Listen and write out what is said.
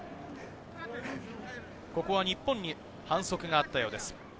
ここは日本に反則があったようです。